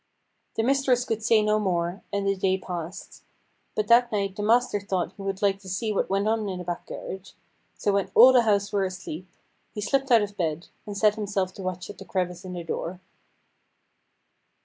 The mistress could say no more, and the day passed. But that night the master thought he would like to see what went on in the back garret: so when all the house were asleep, he slipped out of bed, and set himself to watch at the crevice in the door.